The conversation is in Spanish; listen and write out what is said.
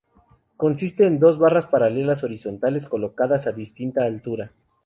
Consisten en dos barras paralelas horizontales colocadas a distinta altura.